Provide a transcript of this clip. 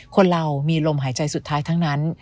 คนเรามีลมหายใจสุดท้ายทั้งนั้น